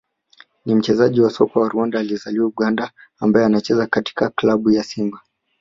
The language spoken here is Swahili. ni mchezaji wa soka wa Rwanda aliyezaliwa Uganda ambaye anacheza katika klabu ya Simba